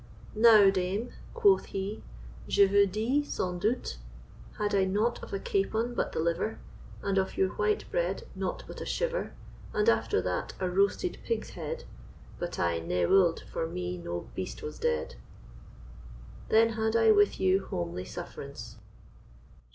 "Now dame," quoth he, "Je vous dis sans doute, Had I nought of a capon but the liver, And of your white bread nought but a shiver, And after that a roasted pigge's head (But I ne wold for me no beast were dead), Then had I with you homely sufferaunce."